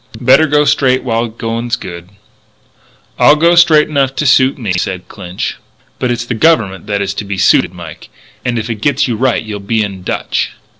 Better go straight while the going's good." "I go straight enough to suit me," said Clinch. "But it's the Government that is to be suited, Mike. And if it gets you right you'll be in dutch."